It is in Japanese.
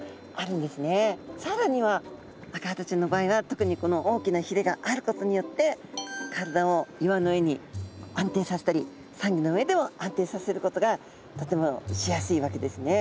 さらにはアカハタちゃんの場合は特にこの大きなひれがあることによって体を岩の上に安定させたりサンギョの上でも安定させることがとてもしやすいわけですね。